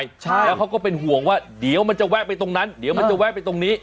แล้วเขาก็เป็นห่วงว่าเดี๋ยวมันจะแวะไปตรงนั้นเดี๋ยวมันจะแวะไปตรงนี้